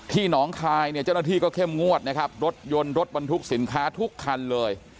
หนองคายเนี่ยเจ้าหน้าที่ก็เข้มงวดนะครับรถยนต์รถบรรทุกสินค้าทุกคันเลย